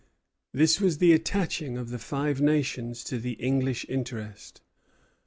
This was the attaching of the Five Nations to the English interest.